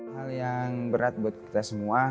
hal yang berat buat kita semua